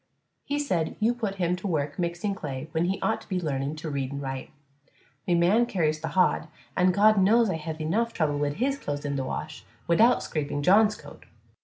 He said you put him to work mixing clay when he ought to be learning to read an' write. Me man carries th' hod, an' God knows I hev enuf trouble wid his clothes in th' wash widout scraping John's coat.